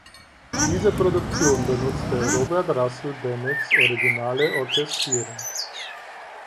Diese Produktion benutzte Robert Russell Bennetts originale Orchestrierung.